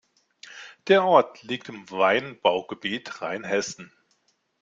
Der Ort liegt im Weinbaugebiet Rheinhessen.